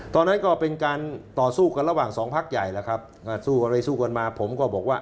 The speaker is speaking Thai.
ตอนนั้นก็เป็นการต่อสู้กันระหว่างสองพักใหญ่แล้วครับสู้กันไปสู้กันมาผมก็บอกว่า